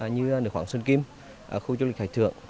như nửa khoảng xuân kim khu du lịch hải thượng